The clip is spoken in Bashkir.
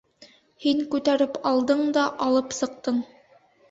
Һин күтәреп алдың да алып сыҡтың...